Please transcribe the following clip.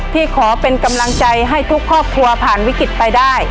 ที่ขอเป็นกำลังใจให้ทุกครอบครัวผ่านวิกฤตไปได้